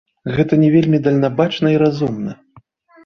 Гэта не вельмі дальнабачна і разумна.